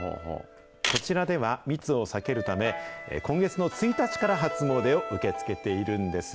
こちらでは、密を避けるため、今月の１日から初詣を受け付けているんです。